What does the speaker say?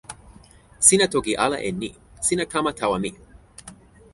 sina toki ala e ni: sina kama tawa mi.